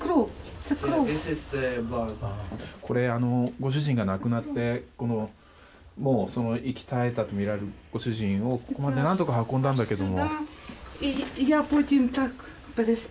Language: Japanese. ご主人が亡くなって息絶えたとみられるご主人をここまで何とか運んだんだけども。